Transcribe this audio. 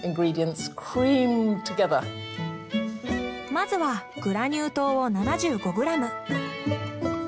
まずはグラニュー糖を７５ｇ。